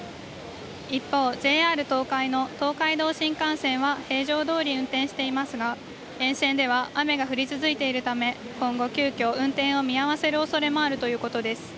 一方、ＪＲ東海の東海道新幹線は平常どおり運転していますが、沿線では雨が降り続いているため、今後、急きょ運転を見合わせるおそれもあるということです